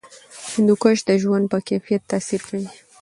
هندوکش د ژوند په کیفیت تاثیر کوي.